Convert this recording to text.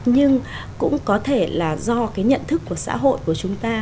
nhưng cũng có thể là do cái nhận thức của xã hội của chúng ta